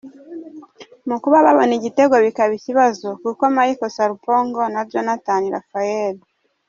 mu kuba babona igitego bikaba ikibazo kuko Michael Sarpong na Jonathan Raphael